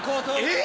え！